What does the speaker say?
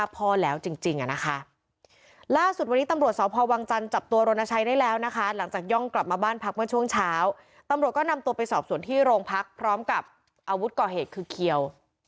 พร้อมกับอาวุธก่อเหตุคือเคียว